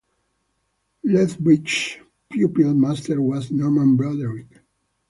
Lethbridge’s pupil master was Norman Broderick.